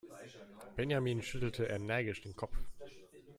Benjamin schüttelte energisch den Kopf.